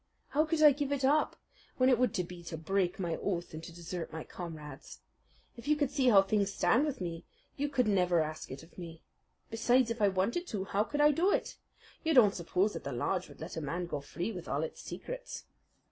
How could I give it up when it would be to break my oath and to desert my comrades? If you could see how things stand with me you could never ask it of me. Besides, if I wanted to, how could I do it? You don't suppose that the lodge would let a man go free with all its secrets?"